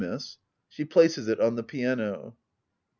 Miss. [She places it on the piano.